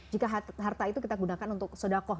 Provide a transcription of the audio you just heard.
jika harta itu kita gunakan untuk sodakoh